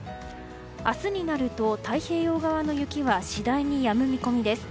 明日になると太平洋側の雪は次第にやむ見込みです。